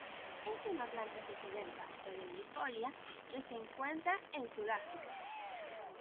Es una planta suculenta perennifolia que se encuentra en Sudáfrica.